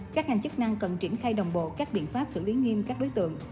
các hành chức năng cần triển khai đồng bộ các biện pháp xử lý nghiêm các đối tượng